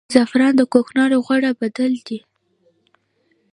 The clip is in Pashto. زعفران د کوکنارو غوره بدیل دی